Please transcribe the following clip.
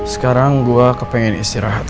sekarang gue kepengen istirahat